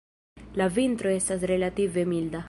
La vintro estas relative milda.